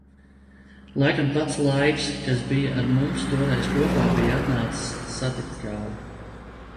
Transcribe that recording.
Laikam pats Laiks, kas bija ar mums toreiz kopā, bija atnācis satikt kādu.